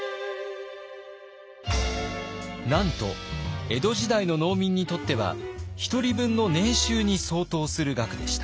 なんと江戸時代の農民にとっては１人分の年収に相当する額でした。